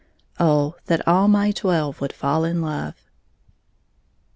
Oh that all my twelve would fall in love!